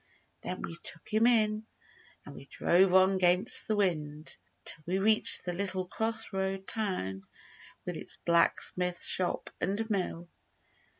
Then we took him in And we drove on 'gainst the wind, 'Till we reached the little cross road town With its blacksmith shop and mill.